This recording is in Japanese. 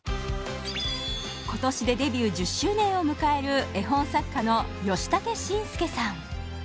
今年でデビュー１０周年を迎える絵本作家のヨシタケシンスケさん